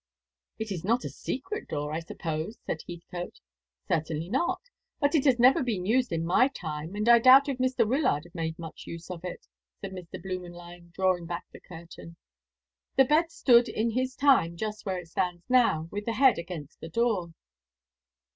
"It is not a secret door, I suppose?" said Heathcote. "Certainly not. But it has never been used in my time, and I doubt if Mr. Wyllard made much use of it," said Mr. Blümenlein, drawing back the curtain. "The bed stood in his time just where it stands now, with the head against the door."